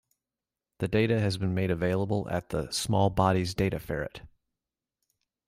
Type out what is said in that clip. The data has been made available at the "Small Bodies Data Ferret".